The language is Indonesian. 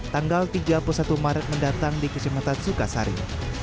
tanggal tiga puluh satu maret mendatang di kecematan sukasari